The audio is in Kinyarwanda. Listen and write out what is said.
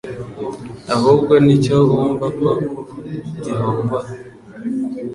ahubwo ni icyo wumva ko gihomba.”